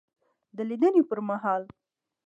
دلیدني پر مهال